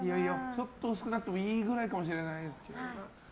ちょっと薄くなってもいいくらいかもしれないです。